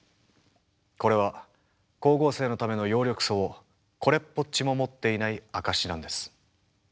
これは光合成のための葉緑素をこれっぽっちも持っていない証しなんです。